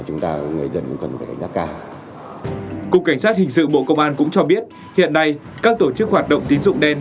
cục cảnh sát hình sự bộ công an cũng cho biết hiện nay các tổ chức hoạt động tín dụng đen